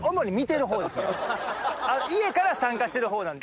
家から参加してる方なんで。